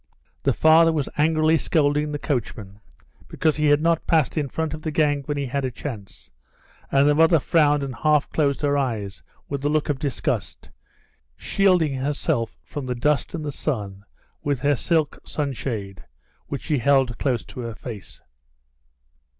The father was angrily scolding the coachman because he had not passed in front of the gang when he had a chance, and the mother frowned and half closed her eyes with a look of disgust, shielding herself from the dust and the sun with her silk sunshade, which she held close to her face.